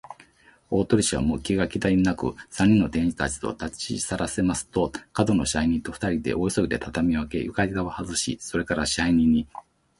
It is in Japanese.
大鳥氏は、もう気が気でなく、三人の店員たちをたちさらせますと、門野支配人とふたりで、大急ぎで畳をあけ、床板をはずし、それから、支配人に